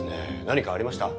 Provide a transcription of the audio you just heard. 何かありました？